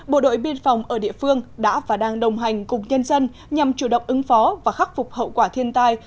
bộ đội biên phòng ở địa phương đã và đang đồng hành cùng nhân dân nhằm chủ động ứng phó và khắc phục hậu quả thiên tai